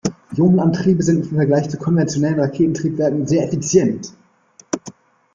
Ionenantriebe sind im Vergleich zu konventionellen Raketentriebwerken sehr effizient.